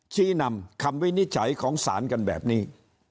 ชี้นำคำวินิจฉัยของศาลกันแบบนี้